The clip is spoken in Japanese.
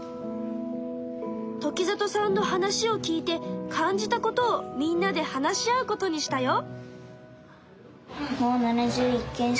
時里さんの話を聞いて感じたことをみんなで話し合うことにしたよ。